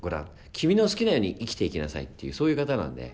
君の好きなように生きていきなさい」っていうそういう方なんで。